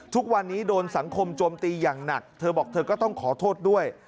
ทุกวันนี้โดนสังคมโจมตีอย่างหนักเธอบอกเธอก็ต้องขอโทษด้วย